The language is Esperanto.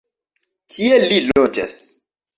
Kie li loĝas?